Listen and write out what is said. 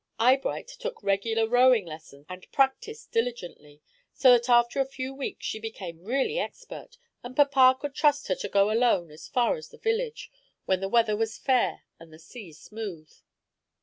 Eyebright took regular rowing lessons and practised diligently, so that after a few weeks she became really expert, and papa could trust her to go alone as far as the village, when the weather was fair and the sea smooth.